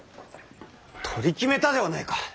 取り決めたではないか！